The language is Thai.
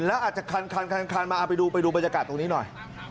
แล้วอาจจะคันมาเอาไปดูไปดูบรรยากาศตรงนี้หน่อย